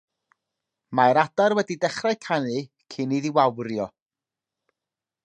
Mae'r adar wedi dechrau canu cyn iddi wawrio.